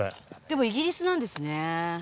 でもイギリスなんですね。